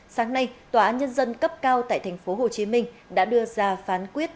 sáng nay tòa án nhân dân cấp cao tại tp hcm đã đưa ra phán quyết